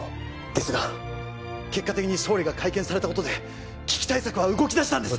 ですが結果的に総理が会見されたことで危機対策は動きだしたんです